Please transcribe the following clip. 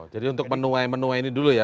jadi untuk menuai menuai ini dulu ya